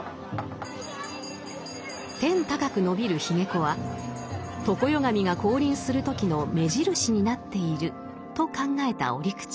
「天高く伸びる髯籠は常世神が降臨する時の目印になっている」と考えた折口。